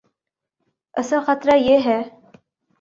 اصل خطرہ یہ ہے۔